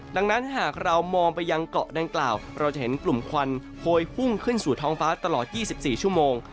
ดังนั้นหากเรามองไปยังเกาะดังกล่าวเราจะเห็นกลุ่มควันโพยพุ่งขึ้นสู่ท้องฟ้าตลอด๒๔ชั่วโมง